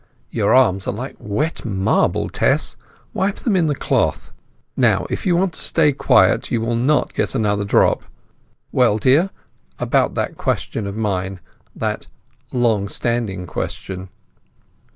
Your arms are like wet marble, Tess. Wipe them in the cloth. Now, if you stay quiet, you will not get another drop. Well, dear—about that question of mine—that long standing question?"